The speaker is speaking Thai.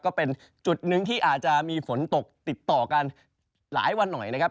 ก็เป็นจุดหนึ่งที่อาจจะมีฝนตกติดต่อกันหลายวันหน่อยนะครับ